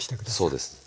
そうです。